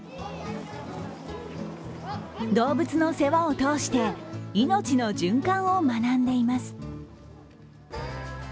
動物の世話を通して命の循環を学んでいます。